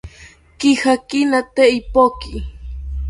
Kijakina tee ipoki